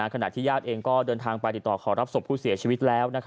ขณะที่ญาติเองก็เดินทางไปติดต่อขอรับศพผู้เสียชีวิตแล้ว